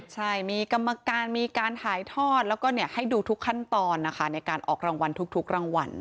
ใช่มีกรรมการมีการถ่ายทอดแล้วก็ให้ดูทุกขั้นตอนนะคะในการออกรางวัลทุกรางวัล